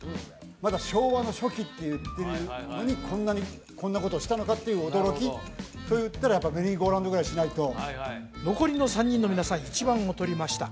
まだ昭和の初期って言ってるのにこんなことをしたのかっていう驚きといったらやっぱメリーゴーランドぐらいしないと残りの３人の皆さん１番をとりました